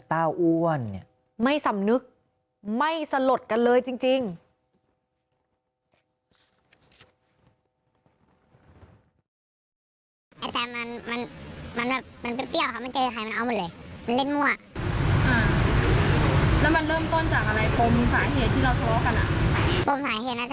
ต้าอ้วนเนี้ยไม่สำนึกไม่สลดกันเลยจริงจริง